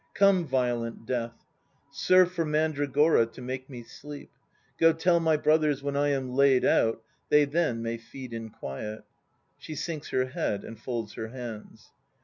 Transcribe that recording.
Come, violent death, Serve for mandragora to make me sleep! Co tell my brothers, when I am laid out, They then may feed in quiet (She sinks her head and folds her hands.)